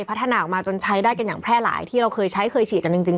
พัฒนาออกมาจนใช้ได้กันอย่างแพร่หลายที่เราเคยใช้เคยฉีดกันจริง